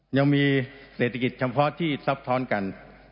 ยังมีเศรษฐกิจเฉพาะที่ซับซ้อนกัน